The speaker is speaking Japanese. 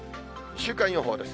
週間予報です。